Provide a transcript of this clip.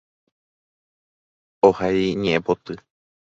Ohai iñe'ẽpoty.